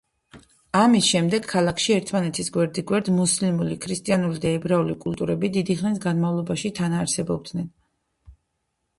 ამის შემდეგ, ქალაქში ერთმანეთის გვერდიგვერდ, მუსლიმური, ქრისტიანული და ებრაული კულტურები დიდი ხნის განმავლობაში თანაარსებობდნენ.